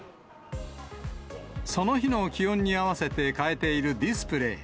その日の気温に合わせて変えているディスプレー。